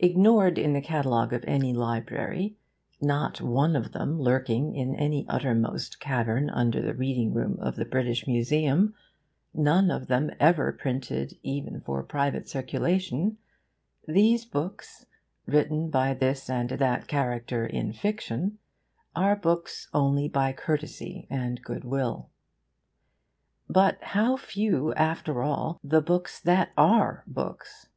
Ignored in the catalogue of any library, not one of them lurking in any uttermost cavern under the reading room of the British Museum, none of them ever printed even for private circulation, these books written by this and that character in fiction are books only by courtesy and good will. But how few, after all, the books that are books!